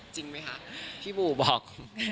จริงไหมคะพี่บู่บอก